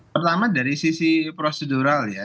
pertama dari sisi prosedural ya